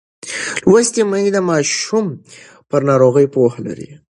لوستې میندې د ماشوم پر ناروغۍ پوهه لري.